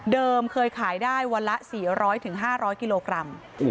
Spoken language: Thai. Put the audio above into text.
เคยขายได้วันละ๔๐๐๕๐๐กิโลกรัม